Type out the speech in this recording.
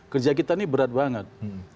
kerja kita ini berat banget